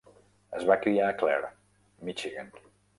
Es va criar a Clare, Michigan.